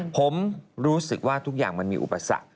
ผมรู้สึกว่าทุกอย่างมันมีอุปสรรค